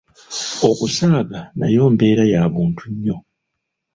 Okusaaga nayo mbeera ya buntu nnyo.